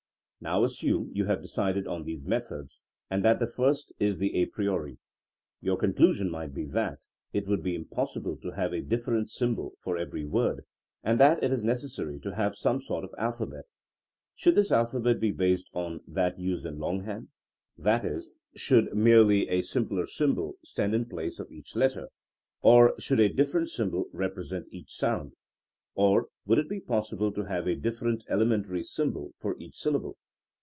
Now assume you have decided on these methods and that the first is the a priori. Your conclusion might be that it would be im possible to have a different symbol for every word, and that it is necessary to have some sort of alphabet. Should this alphabet be based on that used in longhand? That is, should merely a simpler symbol stand in place of each letter! Or should a different symbol represent each sound? Or would it be possible to have a dif ferent elementary symbol for each syllable?